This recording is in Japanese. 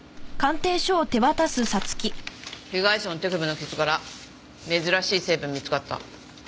被害者の手首の傷から珍しい成分見つかった。